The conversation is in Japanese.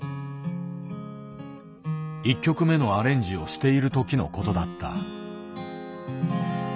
１曲目のアレンジをしているときのことだった。